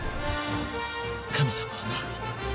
神様はな